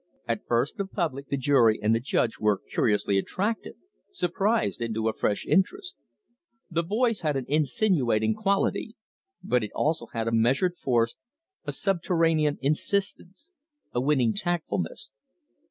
At first the public, the jury, and the judge were curiously attracted, surprised into a fresh interest. The voice had an insinuating quality, but it also had a measured force, a subterranean insistence, a winning tactfulness.